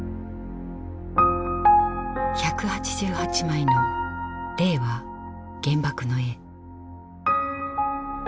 １８８枚の「令和原爆の絵」。